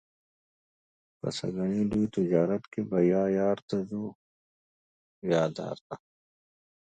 په سږني لوی تجارت کې به یا یار ته څو یا دار ته.